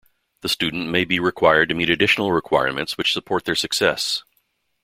The student may be required to meet additional requirements which support their success.